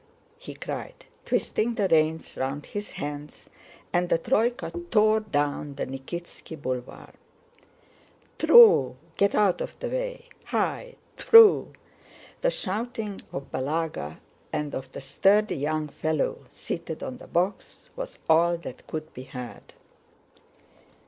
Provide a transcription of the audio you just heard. he cried, twisting the reins round his hands, and the troyka tore down the Nikítski Boulevard. "Tproo! Get out of the way! Hi!... Tproo!..." The shouting of Balagá and of the sturdy young fellow seated on the box was all that could be heard.